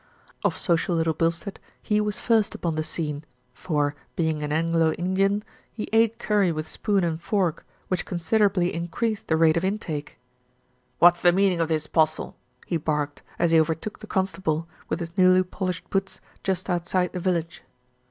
Of social Little Bilstead he was first upon the scene; for, being a Anglo Indian, he ate curry with spoon and fork, which considerably increased the rate of intake. "What's the meaning of this, Postle?" he barked, as he overtook the constable, with his newly polished boots, just outside the village.